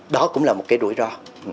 đó cũng là một cái rủi ro